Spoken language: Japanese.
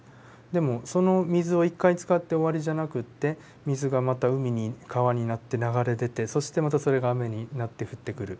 でもその水は一回使って終わりじゃなくって水がまた海に川になって流れ出てそしてまたそれが雨になって降ってくる。